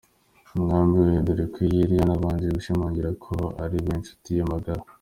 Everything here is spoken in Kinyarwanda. umwami we, dore ko yari yanabanje gushimangira ko ari we nshuti ye magara.